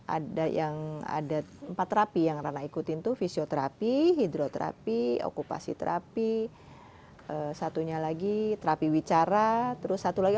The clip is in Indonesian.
ada empat terapi yang rana ikuti fisioterapi hidroterapi okupasi terapi terapi wicara satu lagi